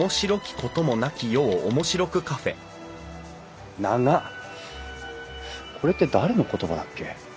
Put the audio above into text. これって誰の言葉だっけ？